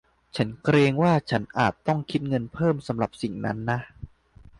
ฉันเกรงว่า ฉันอาจต้องคิดเงินเพิ่มสำหรับสิ่งนั้นนะ